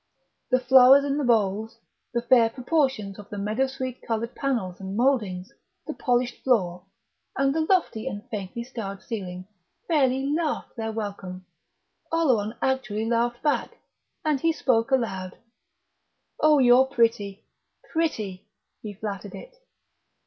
The flowers in the bowls, the fair proportions of the meadowsweet coloured panels and mouldings, the polished floor, and the lofty and faintly starred ceiling, fairly laughed their welcome. Oleron actually laughed back, and spoke aloud. "Oh, you're pretty, pretty!" he flattered it.